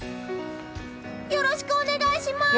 よろしくお願いします！